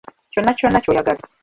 Kyonna kyonna ky’oyagala.